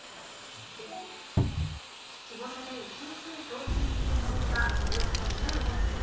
仕事で１日に送信するメールはおよそ１５通。